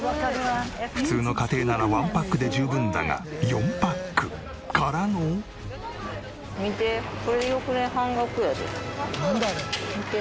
普通の家庭ならワンパックで十分だが４パックからの。半額。